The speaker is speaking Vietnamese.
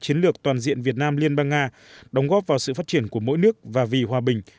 chiến lược toàn diện việt nam liên bang nga đóng góp vào sự phát triển của mỗi nước và vì hòa bình